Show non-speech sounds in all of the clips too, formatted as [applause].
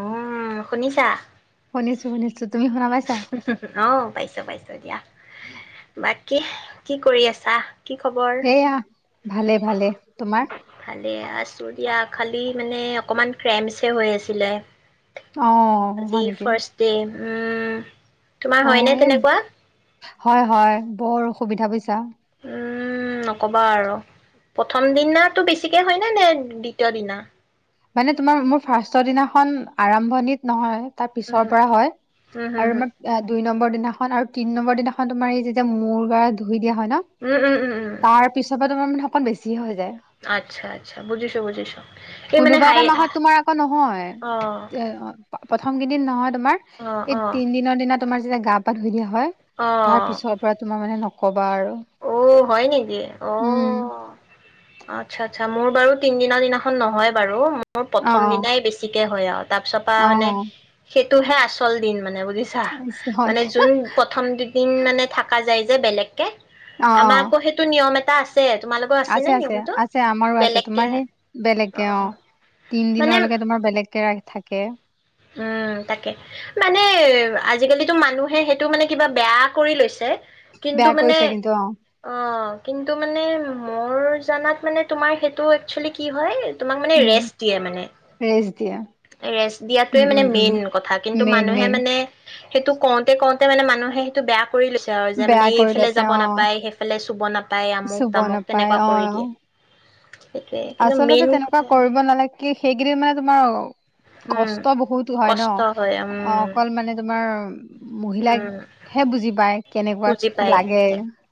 উম শুনিছা। শুনিছো শুনিছো। তুমি শুনা পাইছা অ পাইছো। পাইছো দিয়া। বাকী। কি কৰি আছা। কি খবৰ? সেইয়া ভালে ভালে তোমাৰ। ভালে আছোঁ দিয়া খালি মানে অকণমান ক্ৰেমচ হৈ আছিলে। অ আজি হয় নেকি। ফাৰ্ষ্ট ডে, উম। তোমাৰ অ হয়নে এই তেনেকুৱা? হয় হয় বৰ অসুবিধা পছা উম নকবা আৰু প্ৰথম দিনাটো বেছিকে হয় ন নে দ্বিতীয় দিনা মানে তোমাৰ মোৰ ফাৰ্ষ্ষ্টৰ দিনাখন আৰম্ভণিত নহয় তাৰ পিছৰ উম, পৰা হয় হুম, হুম। আৰু হুম। আমাৰ দুই নম্বৰ দিনাখন আৰু তিনি নম্বৰ দিনাখন তোমাৰ আহিছে যে মোৰ গা দু ধই দিয়া হয় ন উম, উম, উম, উম, তাৰ পিছ পৰা তোমাৰ মানে অকণ বেছিে হৈ যায় আচ্ছা আচ্ছা বুজিছো বুজিছো কোনোবা এটা মাহত তোমাৰ আকৌ নহয় অ', এ প্ৰথম কেইদিন নহয় তোমাৰ এই অ', তিন দিনৰ দিনত তোমাৰতিয়া গা ধই দা হয় অ', তাৰ অ'। পিছৰ পৰা তুমাৰ মানে নকবা আৰু অ হয় নেকি অ উম, আচ্ছা আচ্া মোৰ বাৰু তিনদিনৰ দিনাখন নহয় বাৰু মোৰ অ', প্ৰথম দিনাই বেছি হয় আৰু তাপ চপা অ', মানে অ', সেই তহে আচল দিন মানে া ইছ, হয় মানে দে। যোন প্ৰথম দুদিন মানে থাককা যায় যে বেলেগকৈ অ', আমাৰ অ', আকৌ সেইটো নিয়ম এটা পাঁচ আছে আছে আছে আমাৰো আছে বেলেগকে তোমাৰ সেই বেলেগকে অ মানে তিনিনৰলৈেোমাৰ বেলেগ একেৰা থাকে উম টো মানুহে সেইটো মানে কিবা বেয়া কৰি লৈছে কিন্তু বেয়া মানে কৰিছে কিন্তু অ কিন্তু মানে মোৰ জাত মানে তোমাৰ সেইটো এক্চুৱেলি কি হয় তোমাক মানে উম, ৰেষ্ট দিয়ে মানে ৰেষ্ট দিয়ে ৰে দিয় সেইোৱে উম, মানে উম, উম, মেইন কথা কিন্তু মেইন, মানুহে মেইন মানে সেইটো কওঁতে কওঁতে মানে মানুহে সেইটো বেয়া কৰি লৈছে আৰু যে বেয়া মানে কৰি এইফালে লৈছে যাব অ', নাপায় সেইফালে চুব নাপায় আমুক চুব তামুক নাপায় তেনেকুৱা কৰি অ', দিয়ে সেইটোৱে কিন্তু আচলতে মেইন তেনেকুৱা কথা কৰিব নালাগে কি সেইকেইিনি মানে তোমাৰ উম। কষ্ট বহুত হয় কষ্ট হয় ন অ উম, অকল মানে তোমাৰ উম, মহিলাকহে বুজি পায় কেনেকুৱা বুজি পায় লাগে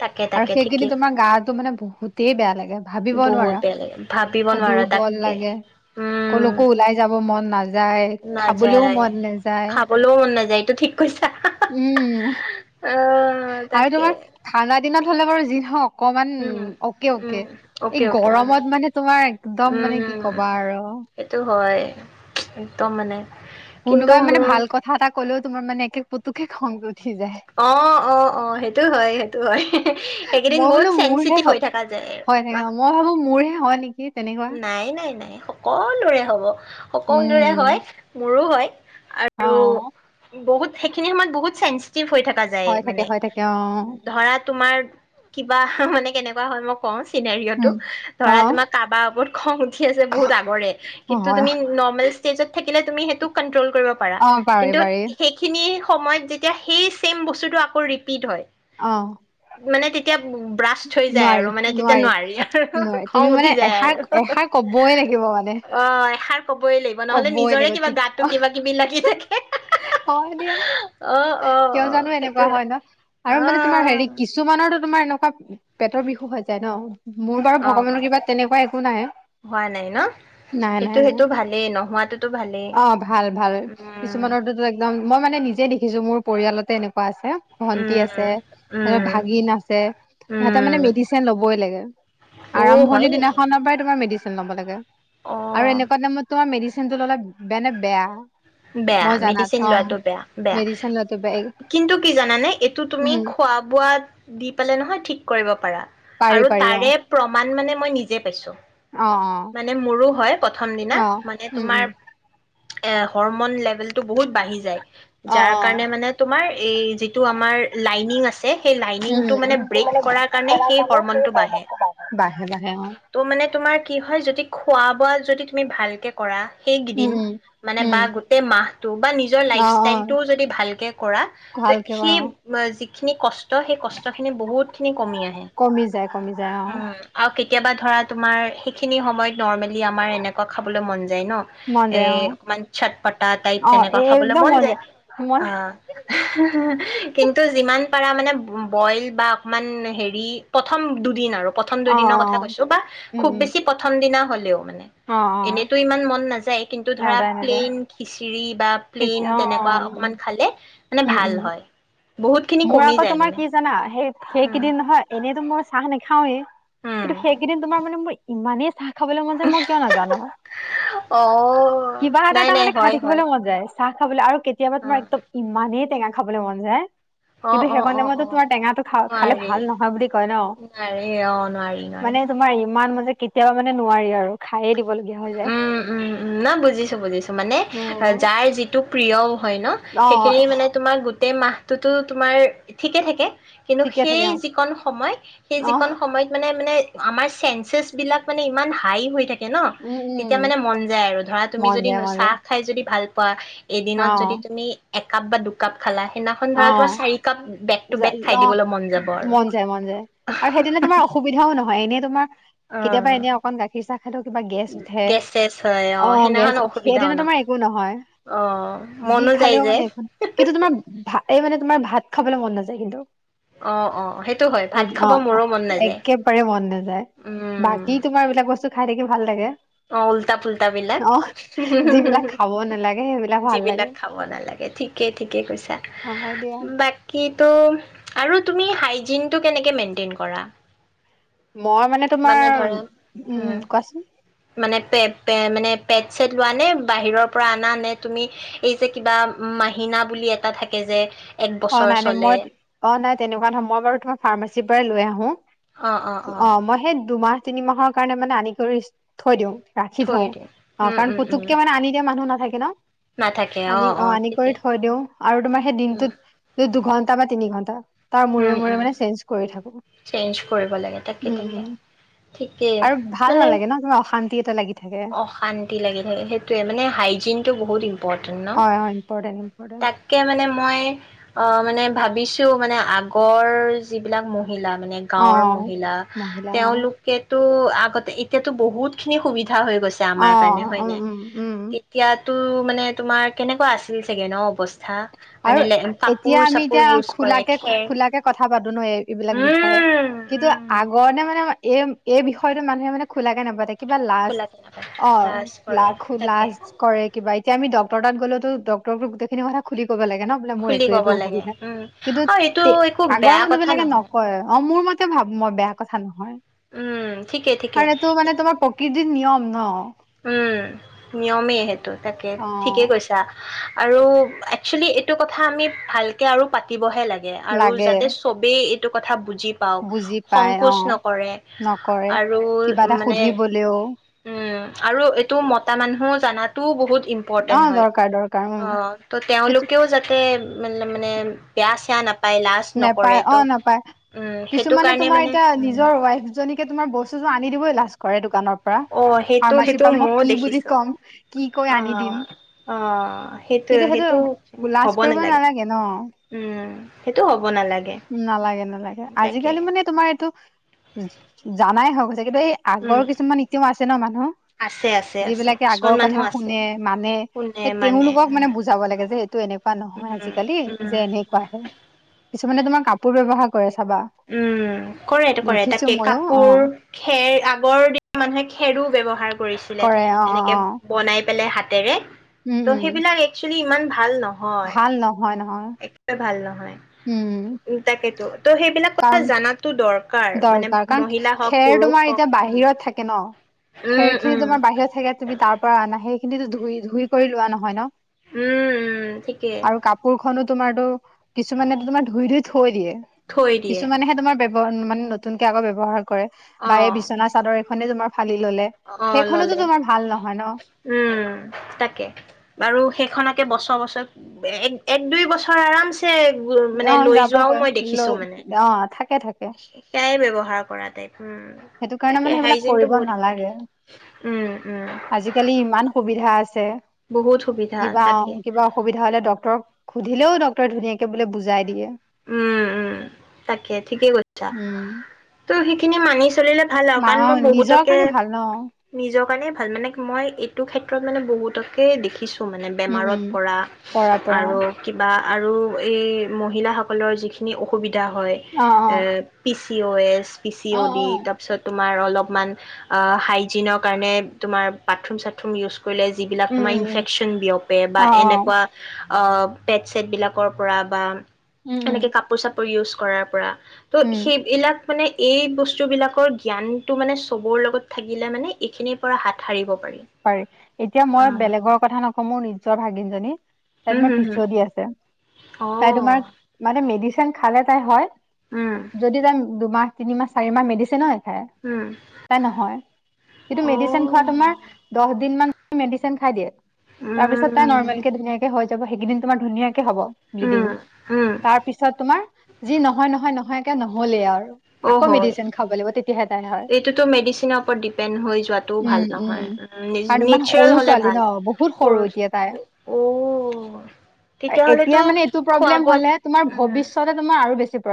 তাকে আৰু তাকে সেইখিনি ঠিকেই তোমাৰ গাটো মানে বহুত তে বেয়া লাগে। ভাবিব বহুত নোৱাৰা। বেয়া লাগে ভাবিব দুৰ নোৱাৰা বল তাকে লাগে উম। কলৈকো ওলাই যাব মন নাযায়। খাবলৈও নাযায় মন নাযায় খাবলৈও মন নাযায় টো ঠিক কৈছা। উম আহ আৰু তাকে তোমাৰ খানা দিনত হ'লে বাৰু যি হওক অকমান উম অকে উম অকে এই অকে অকে অ গৰমত মানে তোমাৰ একদম মানে কি উম কবা আৰু সেইটো হয় একদম মানে কিন্তু কোনোবাই মানে মোৰ ভাল কথা এটা কলেও তোমাৰ মানে একে তোক খং কৰিছে অ অ অ সেইটো হয় সেইটো হয় সেইকেইদিন মই বহুত বোলো মোৰহে চেনচিটিভ হৈ থাককা যায় হয় থাকে আৰু মই ভাবো মোৰহে হয় নেকি তেনেকুৱা নাই নাই নাই সকলোৰে হব সকলোৰে হয়। উম মোৰো হয় অ আৰু বহুত সেইখিনি সময়ত বহুত চাইন্ঞ্চ থকা যায় হয় থাকে মানে হয় থাকে অ ধৰা তোমাৰ কিবা মানে কেনেকা ক হয় মই কওঁ চিনেৰিঅ টো উম ধৰা অ তোমাৰ কাৰাবা বহুত খং উথি আছে বহুত আগৰে কিন্তু হয়, তুমি নৰমেল স্তেজত তুমি সিটো কণন্তুল পাৰা অ', পাৰি, কিন্তু পাৰি। সেইখিনি সময়ত যেতিয়া সেই চছেম বস্তুতটো আকৌ ৰিপিট হয়। অ মানে তেতিয়া ব্ৰাষ্ট হৈ যায় আৰু মানে তেতিয়া নোৱাৰি আৰু নোৱাৰি। তুমি খং মানে উঠি যায় এষাৰ, আৰু এষাৰ কবই লাগিব মানে অ এষাৰ ক'বই লাগিব নহ'লে ক'বই নিজৰে লাগিব কিবা তি গাটো কিবা কিবি লাগি থাকে হয় দিয়া, অ', অ', কিয় অ', জানো এনেকুৱা সেইটো হয় ন? আৰু মানে তোমাৰ হেৰি অহ। কিছুমানৰতো তোমাৰ এনেকুৱা পেটৰ বিষো হৈ যায় ন'। মোৰ বাৰু অ ভগৱানৰ কিবা তেনেকুৱা একো নাই হোৱা নাই ন নাই, নাই, সেইটো নাই। সেইটো ভালেই নোহোৱাটোতো ভালেই অ', ভাল, ভাল উম কিছুমানৰতোটো একদম, মই মানে নি যে দেখিছো মোৰ পৰিয়ালতে এনেকুৱা আছে। ভন্টি উম আছে, উম ভাগিন আছে সিহঁতে মানে উম মেডিচিন ল'বই লাগে, অ হয় আৰম্ভণিৰ নেকি দিনাখনৰ পৰাই তোমাৰ মেডিচিন ল'ব লাগে। অ আৰু এনেকুৱা দামত মেডিচিনটো ল'লে বেনে বেয়া বেয়া মই জানাত মেডিচিন অ লোৱা বেয়া, বেয়া মেডিচিন লোৱাটো বেয়া কিন্তু কি জানানে এইটো তুমি উম খোৱা বোৱা দি পেলাই নহয় ঠিক কৰিব পাৰা। পাৰি আৰু পাৰি অ তাৰে প্ৰমাণ মানে মই নিজে পাইছো অ মানে মোৰো হয়। প্ৰথম দিনা অ অ মানে উম তোমাৰ উম [unintelligible] হৰৰ্মন লেভ লেভেলটো বহুত বাঢ়ি যায় অ যাৰ অ কাৰণে মানে তোমাৰ এই যিটো আমাৰ লাইনিং আছে সেই উম লাইনিংটো মানে উম ব্ৰেক কৰা কাৰণে সেই হৰমনটো বাঢ়ে বাঢ়ে বাঢ়ে অ ত' মানে তোমাৰ কি হয় যদি খোৱা বোৱা যদি তুমি ভালকৈ কৰা উম সেইকেইদিন উম মানে উম বা গোটেই মাহটো বা নিজৰ অ লাইফ অ ষ্টাইলটোও যদি ভালকে কৰা ত' ভালকে অ সেই খিনি কষ্ট, সেই কষ্ট খিনি বহুত খিনি কমি যায়, কমি যায় অ'। আৰু কেতিয়াবা ধৰা তোমাৰ সেইখিনি সময়ত নৰ্মেলি আমাৰ এনেকুৱা খাবলৈ মন যা যায় ন' মন এ যায় অ অকমান চট পটা টাইপ অ তেনেকুৱা এ খাবলৈ একদম মন যায় মই অ', কিন্তু যিমান পাৰা মানে ব'ইল বা অকমান হেৰি প্ৰথম দুদিন আৰু প্ৰথম দুই অ দিনৰ অ কথা কৈছো বা, উম খুব উম বেছি প্ৰথম দিনা হ'লেও মানে অ অ এনেইতো ইমান মন নাযায় কিন্তু ধৰা নাযায় নাযায় প্লেইন খিচিৰি বা খিচি প্লেইন অ অ তেনেকুৱা অকমান খালে মানে উম ভাল উম হয়। বহুত খিনি মোৰ কমি আকৌ যায় তোমাৰ মানে কি জানা, সেই উম সেইকেইদিন নহয় এনেইতো মোৰ চাহ নেখাওঁৱে উম কিন্তু সেইকেইদিন তোমাৰ মানে মোৰ ইমানে চাহ খাবলৈ মন যায় মই কিয় নাজানো, অ কিবা এটা নাই এটা নাই মানে খাই হয় হয় থাকিবলৈ মন যায়। চাহ খাবলৈ আৰু কেতিয়াবা তোমাৰ একদম অ ইমানেই টেঙা খাবলৈ মন যায় অ কিন্তু অ সেইকণ অ টাইমত অ তোমাৰ টেঙাটো খা খালে নোৱাৰি ভাল নহয় বুলি কয় ন, নোৱাৰি অ নোৱাৰি নোৱাৰি মানে তোমাৰ ইমান মানে কেতিয়াবা মানে নোৱাৰি আৰু। খায়ে দিবলগীয়া হৈ যায় উম- উম -উম, না বুজিছো বুজিছো, মানে উম, যাৰ যিটো প্ৰিয়ও হয় ন অ সেইখিনি মানে তোমাৰ গোটেই মাহটোতো তোমাৰ ঠিকে থাকে কিন্তু ঠিকে সেই থাকে অ যিকন সময় সেই অ যিকণ সময়ত মানে মানে আমাৰ চেনচাছ বিলাক মানে ইমান হাই হৈ থাকে ন উম তেতিয়া উম মানে মন যায় আৰু ধৰা তুমি মন যদি যায় মন চাহ যায় খাই যদি ভাল পোৱা। অ এদিনত যদি তুমি একাপ বা দুকাপ খালা সেইদিনাখন ধৰা তোমাৰ চাৰি কাপ বেক টু বেক খাই অহ, দিবলৈ মন যাব আৰু মন যায় মন যায় আৰু সেইদিনা তোমাৰ অসুবিধাও নহয় এনেই তোমাৰ কেতিয়াবা অ'। এনে অকণ গাখীৰ চাহ সেইটো কিবা গেছ উঠে, গেছ চেছ হয় অ' অঁ গেছ সেইদিনাখন অসুবিধাও সেইদিনা তোমাৰ একো নহয়, অ' যি মনো যায় খালেও যে মানে একো কিন্তু তোমাৰ ভাত এই মানে তোমাৰ ভাত খাবলৈ মন নাযায় কিন্তু অ', অ', সেইটো হয় ভাত খাব অহ, মোৰো মন নাযায়। একেবাৰে মন নাযায় উম, বাকী তোমাৰ এইবিলাক বস্তু খাই থাকিব ভাল লাগে অঁ, ওল্টা পোল্টা বিলাক, অ যিবিলাক খাব নালাগে সেইবিলাক ভাল লাগে যিবিলাক খাব নালাগে ঠিকেই ঠিকেই কৈছা, অ হয় দিয়া বাকী কিটো আৰু তুমি হাইজিনটো কেনেকে মেইনতেইন কৰা? মই মানে তোমাৰ, উম কোৱাচোন মানে পে পে মানে পেট চেট লোৱা নে বাহিৰৰ পৰা আনা নে তুমি এই যে কিবা মাহিনা বুলি এটা থাকে যে এক অহ বছৰ নাই নাই, চলে মই অহ নাই তেনেকুৱা নহয় মই বাৰু তোমাৰ ফাৰ্মাচীৰ পৰাই লৈ আহো। অ', অ', অ', অঁহ মই সেই দুমাহ তিনি মাহৰ কাৰণে মানে আনি কৰি থৈ দিওঁ। ৰাখি থৈ থওঁ দিয়ে অঁহ উম, কাৰণ উম, উম, পুতুকে মানে আনি দিয়া মানুহ নাথাকে কিনা। নাথাকে আনি অ', অঁ অ', আনি কৰি ঠিকে থৈ দিও আৰু তোমাক সেই উম, দিনটোত এই দুঘণ্টা বা তিনি ঘণ্টা তাৰ মূৰে মূৰে মানে চেঞ্জ কৰি থাকো চেইঞ্জ কৰিব লাগে তাকে উম তাকে উম ঠিকেই আৰু ভাল মানে নালাগে ন কিবা অশান্তি এটা লাগিব অশান্তি লাগি থাকে সেইটোয়ে মানে হাইজিনতটো বহুত অ অ ইম্পৰ্টেণ্ট ইম্পৰ্টেণ্ট তাকে মানে অঁ মই মানে ভাবিছো মানে আগৰ যিবিলাক মান অ গৰল মহিলা তে অ এতিয়াতো বহুতখিনি সুবিধা উ হৈ গৈছে আমাৰ কাৰণে হয় অ উম ন উম উম তেতিয়া তো মানে তোমাৰ কেনেকুৱা আছিল চাগে অঁ অৱস্থা আৰু মানে কাপোৰ এতিয়া আমি চাপোৰ এতিয়া ইউজ কৰে খোলাকে খেৰ খোলাকে কথা পাতো ন এই এইবিলাক বিষয়ে উম কিন্তু উম আগৰতে মানে এ এই বিষয়তো মানুহে মানে খোলাকে নাপাথাকে কিবা লাজ খোলাকে নাপায় অঁ লাজ কৰে লাখো তাকে লাজ কৰে কিবা এতি আমি ডক্তৰৰতাত গ'লে তো ডক্তৰো গোটেইখিনি কথা কৰিব লাগে ন বোলে মোৰ খুলি এইটো ক'ব এইটো লাগে অসুবিধা উম কিন্তু আৰু এইটো তে একো আগৰ বেয়া মানুহ কথা বিলাকে নহয় নকয় অঁ মোৰ মতে ভাব মই বেয়া কথা নহয় উম ঠিকে ঠিকে কাৰ এইটো মানে তোমাৰ প্ৰকৃতি যদি নিয়ম ন উম নিয়মেই সেইটো তাকে অ ঠিকেই কৈছা আৰু একচেলি এইটো কথা আমি ভালকে আৰু পাতিবহে লাগে আৰু যাতে চবেই টো কথা বুজি পাওঁক বুজি পাই অ সংকোচ নকৰে নকৰে আৰু কিবা এটা মানে সুধিবলেও উম আৰু এইটো মতা মানুহ জাতো বহুত অ ইম্পৰ্টেণ্ট হয় দৰকাৰ দৰকাৰ উম ত' সেইটো তেওঁলোকেও যাতে মতল মানে বেয়া চেয়া নাপাই নোপায় অঁ নাপায় উম সেইটো কিছুমানে কাৰণে তোমাৰ মানে এতিয়া উম নিজৰ ৱাইফ জনীকে তোমাৰ বস্তু আনি দিবই লাজ কৰে দোকানত অ' সেইটো ফাৰ্মাচীৰ সেইটো পৰা মই ময়ও কি বুলি দেখিছো। ক'ম কি কৈ আনি দিম অঁ সেইটোয় সেইটো লাজ হ'ব কৰিব নালাগে ন উম। সেইটো হ'ব। নালাগে নালাগে নালাগে তাকে আজিকালি মানে তোমাৰ এইটো জানাই হওক কিন্তু এই আগৰ উম কিছুমান ইতিয়াও আছে ন মানুহ আছে আছে আছে যিবিলাকে কিছুমান আগৰ কথা মানুহ আছে শুনে মানে কোনে এই তেওঁলোকক মানে উম বুজাব লাগে যে এইটো এনেকুৱা নহয় উম আজিকালি যে উম এনেকুৱাহে মানে তোমাৰ কাপোৰ ব্যৱহাৰ কৰে। চাবা উম কৰেটো কৰে দেখিছো তাকে মইয়ো অ কাপোৰ খেৰ আগৰ দিনা মানুহে খেৰো ব্যৱহাৰ কৰে ছিলে অ অ অ এনেকে বনাই পেলাই হ তেৱে উম ত উম সেইবিলাক একচ ইমান ভাল ন। ভাল নহয় নহয়। একাৰে ভাল ন। উম উ তাকেতো ত' সেইবিলাক কথা কাৰণ জানাতো দৰকাৰ মানে দৰকাৰ কাৰণ মহিলা হওক খেৰ পুৰুষ তোমাৰ হওক এতিয়া উম বাহিৰত থাকে ন উম খেৰ খিনি উম তোমাৰ বাহিৰত থাকে তুমি তাৰ পৰা আনাাহে সেইখিনিতো ধুই ধুই কৰি লোৱা নহয় ন। উম ঠিকেই। তোমাৰটো কিছুমানেতো তোমাৰ ধুই ধুই থৈ দিয়ে। থৈ দিয়ে কিছুমানেহে তোমাৰ। [unintelligible] নতুনকে আকৌ ব্যৱহাৰ কৰে বা অ এই বিচনা চাদৰ। মানে তোমাৰ ফালি ললে অ সেইখনোতো ললে তোমাৰ ভাল নহয় ন উম তাকে বাৰু সেইখনত। বছৰ বছৰ এক দুই বছৰ আৰামছে। মানে অ লৈ যোৱাও যাবগৈ মই দেখিছো লৈ মানে অ থাকে থাকে সেইয়াই ব্যৱহাৰ সহাৰ কৰাটায়ত উম সেইটো কাৰণে তাকে মানে সেইবিলাক হাইজিন টো কৰিব বহুত নালাগে ইম্পৰ্টেণ্ট উম, উম, আজিকালি ইমান সুবিধা আছে। বহুত সুবিধা কিবা তাকে। কিবা অসুবিধা হলে ডক্তৰক সুধিলেও ডক্টৰে ধুনীয়াক বোলে বুজাই দিয়ে উম উম তাকে ঠিকেই কৰিছা উম। ত স কিনে মানি চলিলে ভাল আৰু মা কাৰণ অ মই নিজৰ বহুতকে কাৰণে ভাল ন নিজৰ কাৰণে ভাল মানে মই এইটো ক্ষেত্ৰত মানে বহুতকে দেখিছোঁ মানে উম বেমাৰত উম। পৰা পৰা পৰা আৰু কিবা আৰু এই মহিলাসকল সকল যিখিনি অসুবিধা হয় অ অ পিছ চি অ' এছ অ পিচিও অ দি তাৰ পিছত [unintelligible] কৰিলে যিবিলাক উম তোমাৰ উম উম ইনফেকচন বিয়পে বা অ অ এনেকুৱা পেড চছেটবিলাকৰ পৰা বা উম এনেকে উম কাপোৰ চাপোৰ ইউজ কৰাৰ পৰা ত' উম সেইবিলাক মানে এই বস্তু বিলাকৰ জ্ঞানটো মানে চবৰ লগত থাকিলে মানে এইখিনিৰ পৰা হাত সাৰিব পাৰি এতিয়া মই বেলেগৰ কথা নকওঁ সমূহ নিজৰ ভাগিনজনী তাই তোমাৰ পিছুৱ দি আছে অ তাই তোমাৰ মানে মেডিচিন খালে তাই হয় উম যদি তাই দুমাহ তিনি মাহ চাৰি মাহ মেদছে নয় হম হম তাই নহয় কিন্তু অ মেডিচিন খোৱা তোমাৰ দিন মান মেডিচিন খাই দিয়ে উম উম অ তাৰপিছত তাই উম নৰ্মেল কে ধুনীয়াকে হয় যাব সেইদিন তোমাৰ ধুনীয়া ব্লিডি উম উম তাৰ পিছত তোমাৰ যি নহয় নহয় নহয় এ নহলেই আৰু অ আকৌ হয় মেডিচিন খাব লাগিব তেতিয়াহে তাক এইটোতো মেডিচিনৰ ওপৰত ডিপেণ্ড হৈ যোৱাাতটোও ভাল নহয় কাৰ ইমান নেচাৰেল সৰু হলে ছোৱালী ভাল ন বহুত সৰু এতিয়া তাই অ তেতিয়াহ'লেতো এতিয়া মানে এইটো খোৱা প্ৰব্লেম বোৱাত হলে তোমাৰ উম ভৱিষ্যত তোমাৰ আৰু বেছি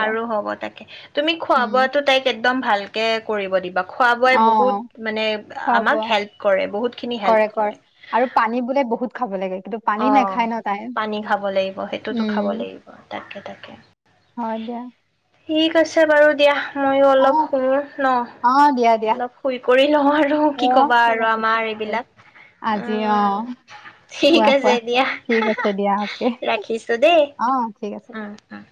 আৰু হ'ব তাকে তুমি খোৱা উম বোৱা ত তাইক একদম ভালকে কৰিব দিবা খোৱা অ বোৱাই বহুত মানে খোৱা বোৱা আমাক হেল্প কৰে। বহুত। খিনি হেল্প কৰে, কৰে আৰু পানী বোলে বহুত খাব লাগে। কিন্তু পানী অ', নাখায় ন তাই পানী খাব লাগিব, সেইটোতো খাব উম লাগিব, তাকে, তাকে। হয় দিয়া ঠিক আছে বাৰু দিয়া। মইয়ো অ অলপ শুওঁ ন', অ দিয়া দিয়া অলপ শুই কৰি লওঁ আৰু কি অ কবা ঠিক আৰু আছে আমাৰ ঠিক আছে এইবিলাক, অ', অ', ঠিক খোৱা আছে। খোৱা দিয়া, ঠিক আছে দিয়া অ'কে ৰাখিছো দেই। অ ঠিক আছে উ', উ'।